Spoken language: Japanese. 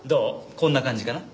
こんな感じかな。